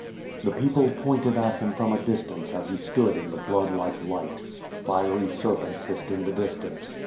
The people pointed at him from a distance as he stood in the blood like light. Fiery serpents hissed in the distance.